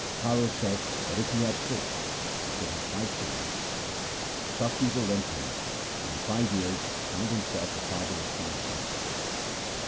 Paro said that if he had faith he should have five children. The shopkeeper went home, and in five years found him self the father of five sons.